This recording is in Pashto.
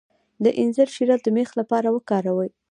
د انځر شیره د میخ لپاره وکاروئ